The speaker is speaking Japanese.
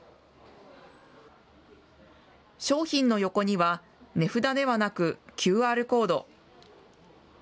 商品の横には、値札ではなく、ＱＲコード。